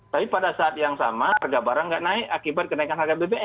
tapi pada saat yang sama harga barang tidak naik akibat kenaikan harga bbm